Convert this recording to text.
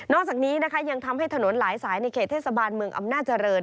จากนี้นะคะยังทำให้ถนนหลายสายในเขตเทศบาลเมืองอำนาจริง